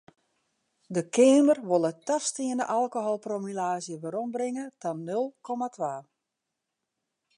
De Keamer wol it tastiene alkoholpromillaazje werombringe ta nul komma twa.